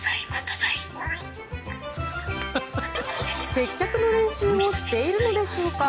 接客の練習をしているのでしょうか？